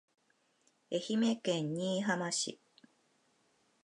愛媛県新居浜市